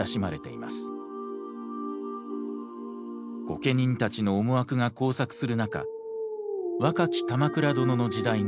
御家人たちの思惑が交錯する中若き鎌倉殿の時代が始まりました。